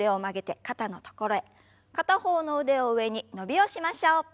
片方の腕を上に伸びをしましょう。